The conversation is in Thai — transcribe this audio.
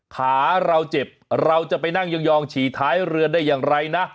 ขาเราเจ็บเราจะไปนั่งยองฉี่ท้ายเรือได้อย่างไรนะ